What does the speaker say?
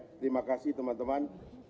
terima kasih teman teman